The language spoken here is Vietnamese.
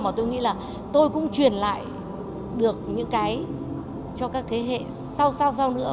mà tôi nghĩ là tôi cũng truyền lại được những cái cho các thế hệ sau sau nữa